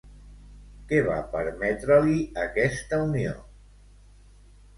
Què va permetre-li aquesta unió?